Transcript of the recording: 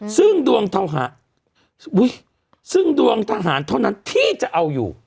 ซึ่งดวงทหารเท่านั้นที่จะเอาอยู่